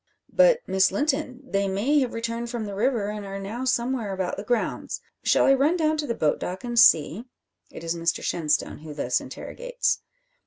"But, Miss Linton; they may have returned from the river, and are now somewhere about the grounds. Shall I run down to the boat dock and see?" It is Mr Shenstone who thus interrogates.